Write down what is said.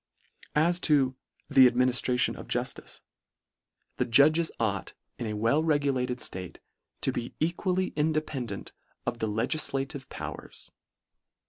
As to " the administration of juStice" — the judges ought, in a well regulated State, to be equally independant of the legillative powers.